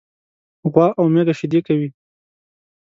غوا او میږه شيدي کوي.